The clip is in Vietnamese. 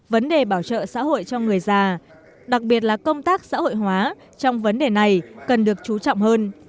vấn đề bảo trợ xã hội cho người già đặc biệt là công tác xã hội hóa trong vấn đề này cần được chú trọng hơn